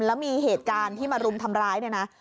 แล้วมีเหตุการณ์ที่มารุมทำร้ายเนี่ยนะ